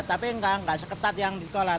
tapi nggak seketat yang di sekolah